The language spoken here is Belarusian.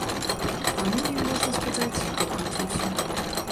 Таму і, можна сказаць, выкруціўся.